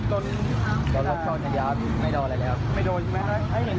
โดนลดโชว์ทันเดียวไม่โดนเลยครับ